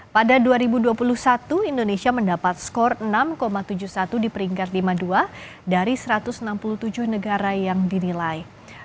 pada dua ribu dua puluh satu indonesia mendapat skor enam tujuh puluh satu di peringkat lima puluh dua dari satu ratus enam puluh tujuh negara yang dinilai